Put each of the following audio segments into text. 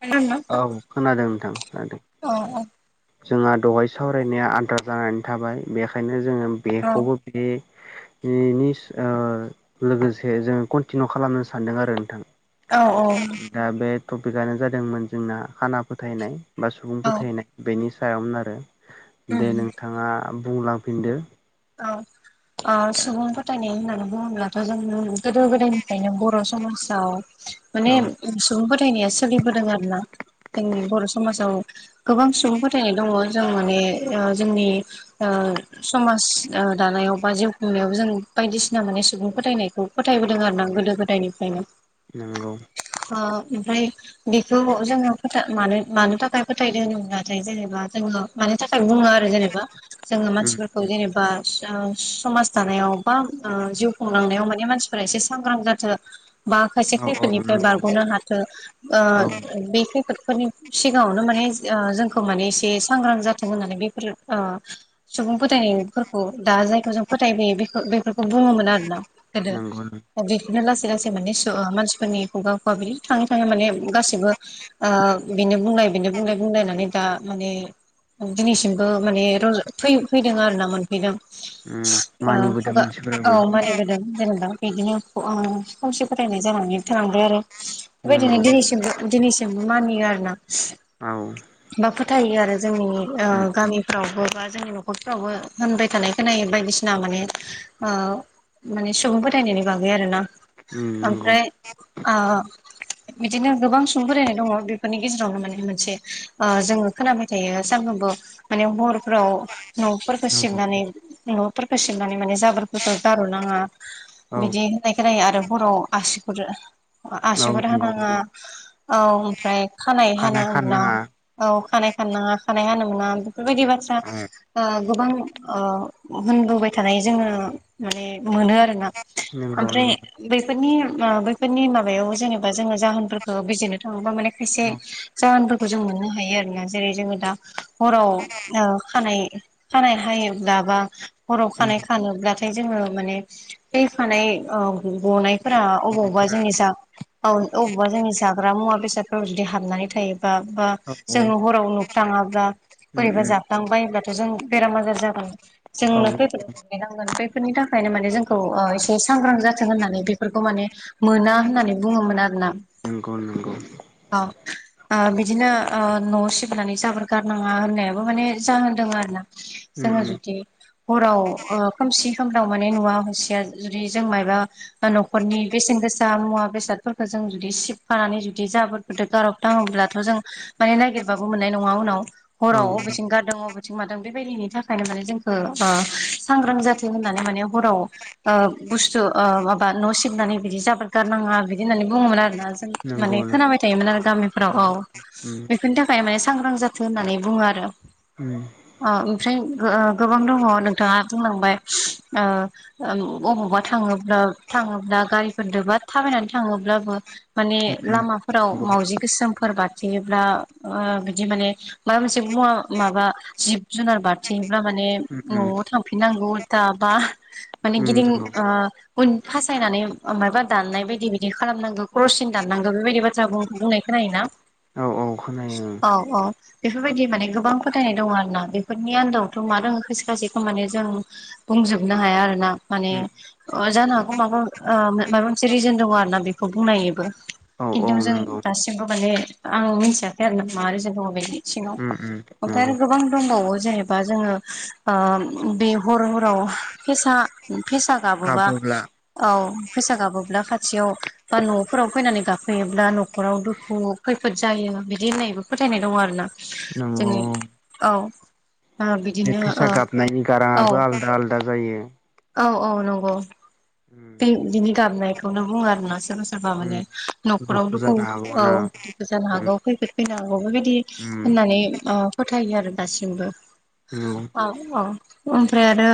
औ औ खोनादों नोंथां खोनादों जोंहा दहाय सावरायनाया आद्रा जानानै थाबाय बेखायनो जोङो बेखौबो बे बेनि लोगोसे जोंङो कन्टिनिउ खालामनो सानदों आरो नोंथां औ औ दा बे टपिकयानो जादोंमोन जोंना खाना फोथायनाय बा सुबुं फोथायनाय बेनि सायावमोन आरो उम दे नोंथाङा बुंलांफिनदो औ सुबुं फोथायनाय होननानै बुङोब्लाथ' जों गोदो गोदायनिफ्रायनो बर' समाजाव माने औ सुबुं फोथायनाया सोलिबोदों आरोना जोंनि बर' समाजाव गोबां सुबुं फोथायनाय दङ जों माने जोंनि ओ समाज ओ दानायाव बा जिउ खुंनायावबो जों बायदिसिना माने सुबुं फोथायनायखौ फोथायबोदों आरोना गोदो गोदायनि फ्रायनो नंगौ अ ओमफ्राय बेखौ जोङो फो मानो मानो थाखाय फोथायदों होनोब्लाथाय जेनेबा जोङो मानि थाखाय बुङो आरो जेनेबा जोङो उम मानसिफोरखौ जेनेबा समाज दानायाव बा जिउ खुंलांनायाव माने मानसिफोरा एसे सांग्रां जाथों बा खायसे औ औ खैफोदनिफ्राय नंगौ बारग'नो हाथों ओ औ बे खैफोदफोरनि सिगाङावनो माने जोंखौ माने एसे सांग्रां जाथों होननानै बेफोर ओ सुबुं फोथायो दा जायखौ जों फोथायबोयो बे बेफोरखौ बुङोमोन आर ना गोदो। नंगौ दा बेफोरनो लासै लासै माने मानसिफोरनि खुगा खुगा बिदि थाङै थाङै माने गासैबो ओ बेनो बुंल बेनो बुंल बुंलायनानै दा माने दिनैसिमबो मानेज फैदों आरो ना मोनफैदों। उम [unintelligible] मानिबोदों अ मानसिफोराबो मानिबोदों जेनबा बिदिनो खावसे फोथायनाय जानानै थालांबाय आरो बेबायदिनो नंगौ दिनैसिमबो दिनैसिम मानियो आरो ना औ बा फोथायो आरो जोंनि उम ओ गामि फोरावबो बा जोंनि न'खरफ्रावबो होनबाय थानाय खोनायै बायदिसिना माने माने सुबुं फोथायनायनि बागै आर ना। उम नंगौ ओमफ्राय आ बिदिनो गोबां सुबुं बेरायनाय दङ बेफोरनि गेजेरावनो माने मोनसे ओ जोङो खोनाबाय थायो सानफ्रोमबो। माने हरफोराव न'फोरखौ नंगौ सिबनानै न'फोरखौ सिबनानै माने जाबोर गोथ' गार' नाङा औ बिदि होनाय खोनाय आरो बर' आसि गुर नंगौ आसुगुर नंगौ हानाङा औ ओमफ्राय खानाइ हानो खारनाय खारनाङा औ खानाय खाना खानाय हानो मोना बेफोरबायदि बाथ्रा औ ओ गोबां होनबोबाय थानाय जोङो माने मोनो आरो। नंगौ आमफ्राय नंगौ बैफोरनि बैफोरनि माबायाव जेनेबा जोङो जाहोनफोरखौ बिजिरनो थाङोबा माने एसे औ जाहोनफोरखौ जों मोननो हायो आरोना जेरै जोङो दा हराव खानाय खानाय हायोब्ला बा हराव खानाय खानोब्ला नाथाय जोङो माने फैफानाय गनायफोरा अबावबावबा फोरा जोंनि जा औ अबेावबा जोंनि जाग्रा मुवा बेसादफ्रारदि हाबनानै थायो बा औ उम जोङो हराव नुफ्लाङाब्ला बोरैबा उम जाफ्लां बायोब्लाथ' जों बेराम आजार जाबोन औ जोंनो खैफोद बेफोरनि थाखायनो माने जोंखौ एसे सांग्रां जाथों होननानै बेफोरखौ माने मोना होननानै बुङोमोन आरोना। नंगौ नंगौ औ बिदिनो न'आव सिबिनानै जाबोर गारनाङा होननायाबो माने जाहोन दङ आरो ना। उम जोङो उम जुदि हराव खोमसि खोमदाव माने नुवा हसिया जुदि जों मायबा न'खरनि बेसेन गोसा मुवा बेसादफोरखौ जों जुदि सिबखानानै जुदि जाबो गोथ गारब थाङोब्लाथ' जों माने नागिरबाबो मोननाय नङा उनाव। औ हराव बबेथिं गारदों बबेथिं मादों बेबायदिनि थाखायनो माने जोंखौ सांग्रां जाथों होननानै माने हराव ओ बुस्थु माबा न' सिबनानै बिदि जाबाद गारनाङा बिदि होननानै बुङोमोन आरोना। नंगौ माने खोनाबाय थायोमोन आरो गामिफोराव औ उम बेफोरनि थाखाय माने सांग्रां जाथों होननानै बुङो आरो। [unintelligible] ओमफ्राय गोबां दङ नोंथाङा बुंलांबाय ओ अबावबा थाङोब्ला थाङोब्ला गारिफोरजोंबा थाबायनानै थाङोब्लाबो माने उम उम लामाफोराव नंगौ मावजि गोसोमफोर बारथिोयोब्ला ओ बिदि माने माबा मोनसे मुवा माबा जिब जुनार बारथिहैब्ला माने उम उम न'आव थांफिननांगौ उल्था बा माने उम गिदिं नंगौ आ उन थासायनानै मायबा दाननाय बायदि बायदि खालामनांगौ क्रसिन दाननांगौ बेबायदि बाथ्रा बुंनाय खोनायोना औ औ खोनायो ओं औ औ बेफोरबायदि माने गोबां फोथायनाय दङ आरोना बे बेफोरनि आन्दावथ' मा दोङो खायसे खायसेखौ माने जों बुंजोबनो हाया आरोना माने उम अ जानो हागौ माबा ओ माबा मोनसे रिजोन दङ आरोना बेखौ बुंनायनिबो औ औ खिन्थु जों नंगौ दासिमबो माने आं मिथियाखै आरोना मारै जोंब बबेनि सिङाव उम उम ओमफ्राय नंगौ आरो गोबां दंबावो जेनेबा जोङो ओ बे हर हराव फेसा फेसा गाबोबा गाबोब्ला औ फैसा गाबोब्ला खाथियाव बा न'फोराव फैनानै गाखोयोब्ला न'खराव दुखु खैफोद जायो बिदि होननायबो फोथायनाय दङ आरोना। नंगौ जोंनि औ ओ बे बिदिनो फेसा ओ गाबनायनि औ गाराङाबो आलदा आलादा जायो। औ औ नंगौ उम बे बिनि गाबनायखौनो बुङो आरोना सोरबा सोरबा उम माने न'खराव दुखु जानो हागौ औ ना दुखु जानो उम हागौ खैफोद फैनो हागौ बेबायदि उम होननानै औ फोथायो आरो दासिमबो। नंगौ औ औ ओमफ्राय आरो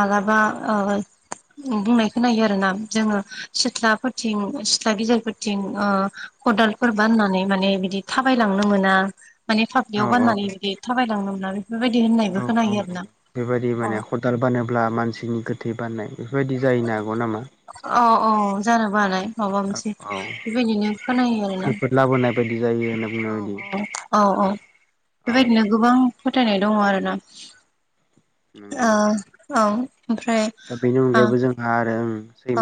मालाबा ओ बुंनायखौ नायो आरोना जोङो सिथ्लाफोरथिं सिथ्ला गेजेरफोरथिं ओ खदालफोर बाननानै माने बिदि थाबायलांनो मोना। माने औ फाफ्लियाव औ गाननानै बिदि थाबायलांनो मोना बेफोरबायदि औ होननायबो औ खोनायो औ आरोना। बेबायदि अ माने खदाल बानोब्ला मानसिनि गोथै बाननाय बेफोरबायदि जाहैनो हागौ नामा? औ औ जानोबो हानाय माबा औ मोनसे औ बेबायदिनो खोनायो आरोना। खैफोद लाबोनाय बायदि जायो होनना बुंनाय औ औ बायदि औ औ औ बेबायदिनो गोबां फोथायनाय दङ आरोना। ओ नंगौ औ ओमफ्राय दा बेनि ओ अनगायैबो जोंहा आरो ओ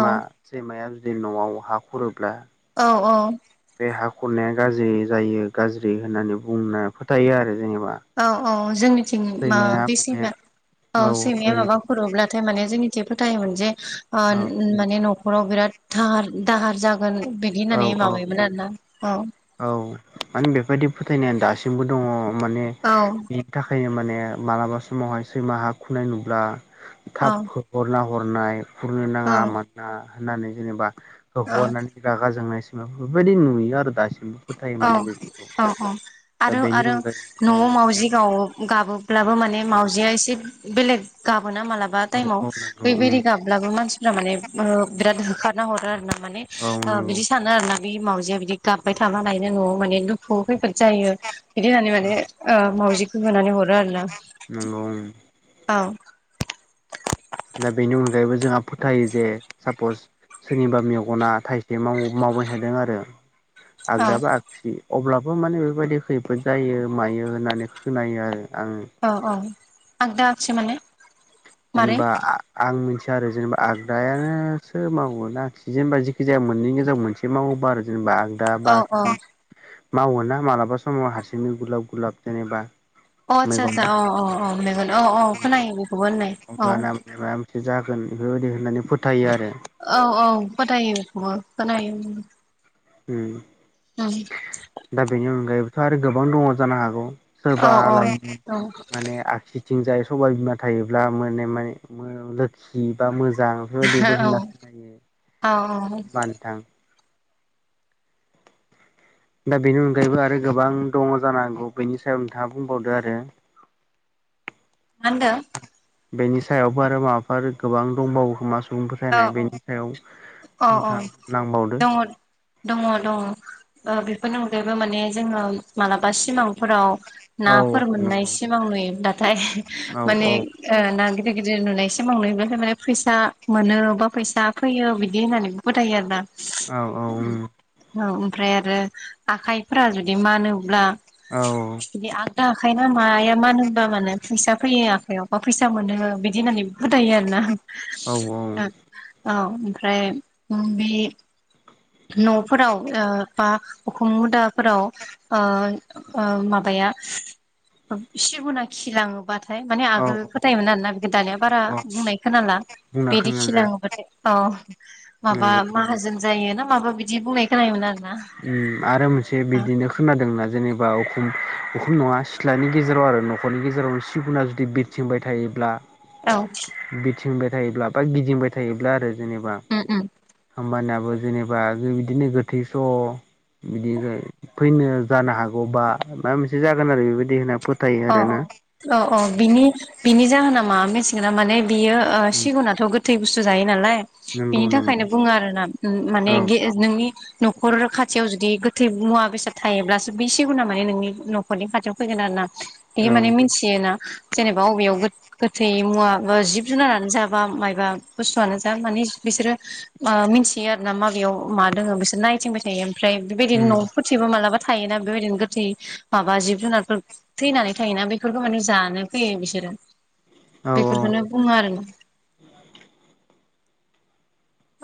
औ सैमाया जुदि न'आव हा खुरोब्ला औ औ बे हा खुरनाया गाज्रि जायो गाज्रि होननानै बुंनो फोथायो आरो जेनेबा। औ औ जोंनिथिं मा सैमाया बे माने सैमा औ सैमाया माबा फोरोब्लाथाय माने जोंनिथि फोथायोमोनजे ओ माने जे न'खराव बिरादाहार दाहार जागोन बिदि औ होननानै औ माबायोमोन आरोना औ औ माने बेबायदि फोथायनाया दासिमबो दङ माने औ बिनि थाखायनो माने मालाबा समावहाय सैमा हा खुरनाय नुब्ला औ थाब हरना हरनाय हुरनो नाङा औ मा होननानै जेनेबा हो औ हरनानै रागा जोंनायसिमाव बेफोरबायदि नुयो आरो दासिमबो। फोथायो माने औ बेफोरखौ औ औ दा आरो बेनि आरो अनगायै औ न'आव मावजि गाव गाबोब्लाबो माने औ मावजिया एसे बेलेग गाबोना माला बा औ ताइमाव औ नंगौ उम बैबायदि गाबब्लाबो मानसिफ्रा माने ओ बिराद होखारना हरो आरोना माने‌ औ ओ नंगौ सानो आरोना बे मावजिया बिदि गाबबाय थाबालायनो न'आव माने दुखु खैफोद जायो। बिदि होननानै माने ओ मावजिखौ होनानै हरो आरोना। नोंगौ औ दा बेनि अनगायैबो जोंहा फोथायो जे सापस सोरनिबा मेगना थाइसे मावबाय थादों आरो औ आगदाबा आ गसि अब्लाबो माने बेफोरबायदि खैफोद जायो मायो होननानै खोनायो आरो आङो। औ औ आगदा आगसि माने मारै जेनेबा आं मिथिया आरो जेनेबा आगदायानोसो मावगोननाखि जेनेबा जेखि जाया मोननैनि गेजेराव मोनसे एसे मावोबा आरो जेनेबा आ दा औ बाख औ मावो ना मालाबा समाव हारसिं गुलाब गुलाब जेनेबा अ आतसा मैगना आतसा औ औ औ नौगो औ औ खोनायो बेखौबो होननाय औ एसे जागोन बेफोरबायदि होननानै फोथायो आरो। औ औ फोथायो खौबो खोनायो उम [inaudible] दा बेनि अनगायैबोथ' आरो गोबां दङ जानो हागौ। औ सोरबा ला औ माने आगसि थिंजाय सबाय बिमा थायोब्ला मे माने लोखि बा मोजां बेफोरबायदिबो होनना खोनायो औ नडा़ मा होनबा नोथां दा बेनि अनगायैबो आरो गोबां दङ जानांगौ बेनि सायाव नोंथाङा बुंबावदो आरो मा होनदों बेनि सायावबो आरो माबाफोर गोबां दंबावो मा सुबुं औ फोथायनाय बेनि सायाव औ औ नोंथां नांबावदों दङ दङ दङ बेफोरनि अनगायैबो माने जोङो मालाबा सिमां हराव औ औ नाफोर मोननाय नंगौ सिमां नुयोब्लाथाय औ माने औ ना गिदिर गिदिर नुनाय सिमां नुयोब्लाथाय माने फैसा मोनो बा फैसा फैयो बिदि होननानैबो फोथायो आरो ना औ औ औ ओमफ्राय आरो आखाइफोरा जुदि मानोब्ला औ बि आगदा आखाइ ना माया मानो होनोबा मानो फैसा फैयो आखाइयाव मा फैसा मोनो बिदि होननानै बुथायो आरो ना औ औ ओमफ्राय बे न'फोराव बा उखुम मुदाफोराव ओ माबाया सिगोना खिलाङोबा थाय थाय माने औ आगोल फोथायोमोन आरोना बे दानिया बारा औ बुंनाय खोनाला बुंना बेदि खोनाला खिलाङोबाथाय औ माबा नंगौ माहाजोन जायो ना माबा बिदि बुंनाय खोनायोमोन आरोना आरो मोनसे बिदिनो खोनादोंना जेनेबा उखुम उखुम नङा सिथ्लानि गेजेराव आरो न'खरनि गेजेरावनो सिगुना जुदि थिंबाय थायोब्ला औ बिरथिंबाय थायोब्ला बा गिदिंबाय थायोब्ला आरो जेनेबा उम उम हामबानियाबो जेनेबा बिदिनो गोथैस' बिदि फैनो जानो हागौबा माबा मोनसे जागोन आरो बेबायदि होनना फोथायो अ आरोना अ अ अ बिनि बिनि जाहोना माब मिथिगोन माने बियो सिगुनाथ' गोथै बुस्थु जायो नालाय नंगौ बिनि नंगौ थाखायनो बुङो आरो ना माने औ नोंनि न'खर खाथियाव जुदि गोथै मुवा बेसाद थायोब्लासो बे सिगुना माने नोंनि न'खरनि खाथियाव फैगोन आरो ना औ बियो माने मिथियोना जेनेबा बबेयाव गोथै मुवा बा जिब जुनारानो जा बा मायबा बुस्थुआनो जा माने बिसोरो मिन्थियो आरो ना माबेयाव मा दोङो बिसोर नायथिंबाय थायो ओमफ्राय बेबायदिनो न'फोरथिबो मालाबा थायोना बेबायदिनो गोथै माबा जिब जुनारफोर थैनानै थायोना बेफोरखौ माने जानो फैयो बिसोरो औ बेफोरखौनो बुङो आरो ना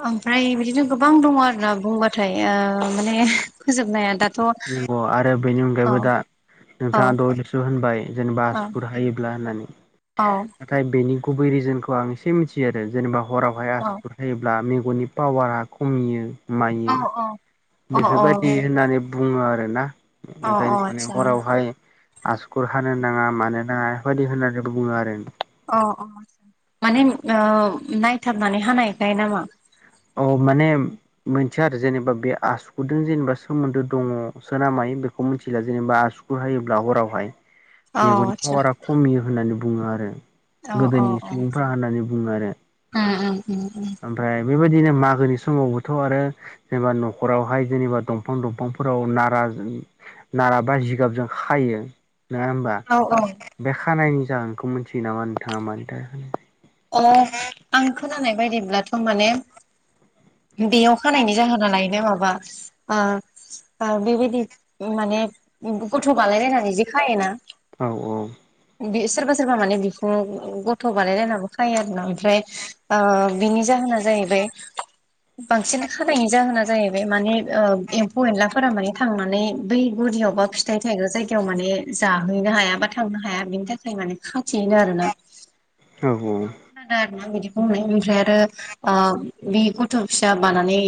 ओमफ्राय बिदिनो गोबां दङ आरोना बुंबाथाय माने फोजोबनाया दा नंगौ आरो बेनि अनगायैबो दा औ नोंथाङा दहायसो' होनबाय जेनेबा हासुखुर हायोब्ला होननानै औ नाथाय बेनि गुबै रिजोनखौ आं एसे मिथियो आरो जेनेबा हराव हाया आसुगुर होयोब्ला मेगननि पावारा खमियो औ मायो औ बेफोरबायदि होननानै बुङो आरोना औ ओंखायनो औ माने आतसा हरावहा हाय आसुगुर हानो नाङा मानो नाङा बेफोरबायदि होननानै बुङो आरो अ अ माने नायथाबनानै हानायखाय नामा औ माने मोनथिया आरो जेनेबा बे आसुगुदो जेनेबा सोमोन्दो दङ सो ना मायो बेखौ मिथिला जेनेबा आसु गुर हायोब्ला हरावहाय [inaudible] मेगननि पावारा खमियो होननानै बुङो आरो अ अ गोदोनि सुबुंफ्रा होननानै बुङो आरो अ उम उम उम ओमफ्राय बेबायदिनो मागोनि समावबोथ' आरो जेनेबा न'खरावहाय जेनेबा दंफां दंफांफोराव नारा नाराबा जिगाबजों खायो नोङा होमबा औ औ बे खानायनि जाहोनखौ मिथियो नामा नोंथाङा मानि थाखाय अ आं खोनानाय बायदिब्लाथ' माने बेयाव खानायनि जाहोनालाय माबा बेबायदि माने गथ' बानायायलायनानै जेखायोना औ बे सोरबा सोरबा माने बिखुङाव गथ' बानायलायनाबो खायो आरो ना ओमफ्राय बिनि जाहोना जाहैबाय बांसिन खानायनि जाहोना जाहैबाय माने एम्फौ एनलाफोरा माने थांनानै बै गुुदियाव बा फि फिथाइ थायग्रा जायगायाव माने जाहैनो हाया बा थांनो हाया बेनि थाखाय माने खाथियोनो आरोना औ औ आं खोनादों आरो ना बिदि बुंनाय ओमफ्राय आरो बे गथ' फिसा बानानै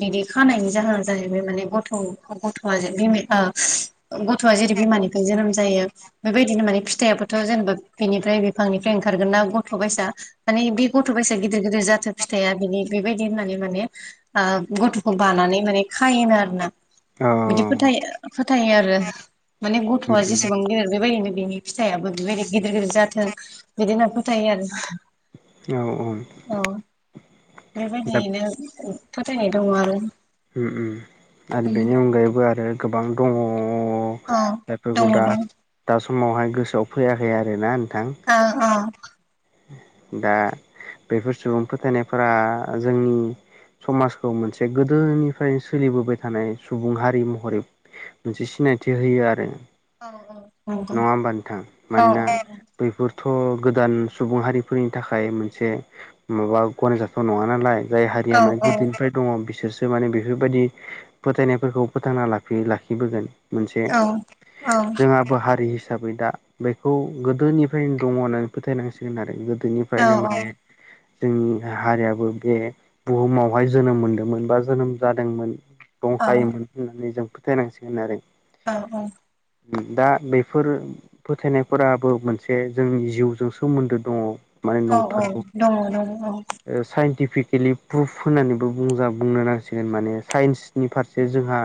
बिदि खानायनि जाहोना जाहैबाय माने गथ' गथ'आ बि गथ'आ जेरै बिमानिफाय जोनोम जायो बेबायदिनो माने फिथाइयाबोथ' जेनेबा बेनिफ्राय बिफांनिफ्राय ओंखारगोन ना गथ' बाइसा माने बे गथ' बाइसा गिदिर गिदिर जाथो फिथाइया बिनि बेबायदि होननानै माने गथ'खौ बानानै माने खायोनो आरो ना औ बिदि फोथाय फोथायो आरो माने उम गथ'आ जेसेबां गेदेर बेबायदिनो बेनि फिथाइयाबो बेबायदि गिदिर गिदिर जाथों बिदि होनना फोथायो आरो औ औ औ दा बेबायदियैनो फोथायनाय दङ आरो आरो उम बेनि अनगायैबो आरो गोबां दङ औ दङ बेफोरखौ दा दं दा समावहाय गोसोआव फैयाखै आरोना नोंथां अ अ दा बेफोर सुबुं फोथायनायफोरा जोंनि समाजखौ मोनसे गोदोनिफ्रायनो सोलिबोबाय थानाय सुबुं हारि महरै मोनसे सिनायथि होयो आरो औ औ नङा नंगौ होमबा नोंथां मानोना औ बैफोरथ' गोदान सुबुं हारिफोरनि थाखाय मोनसे माबा गनायजाथाव नङा नालाय जाय औ हारिया माने गोदोनिफ्राय दङ बिसोरसो माने बेफोरबायदि फोथायनायफोरखौ फोथांना लाखियो लाखिबोगोन मोनसे औ औ जोंहा ब हा बै हिसाबै दा बेखौ गोदोनिफ्रायनो दङ होननानै फोथायनांसिगोन आरो औ गोदोनिफ्रायनो माने जोंनि हारियाबो बे बुहुमावहाय जोनोम मोनदोंमोन बा जोनोम जादोंमोन दंखायोमोन होननानै जों फोथायनांसिगोन आरो औ औ दा बे बेफोर फोथायनायफोराबो मोनसे जोंनि जिउजों सोमोनदो दङ माने औ औ नंथारगौ दङ दङ औ साइन्टिफिकेलि प्रुफ होननानैबो बुंजा बुंनो नांसिगोन माने साइन्सनि फारसे जोंहा